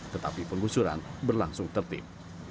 tetapi penggusuran berlangsung tertib